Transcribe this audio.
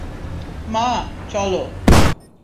মা, চলো।